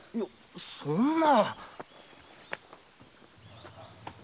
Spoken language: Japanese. そんな⁉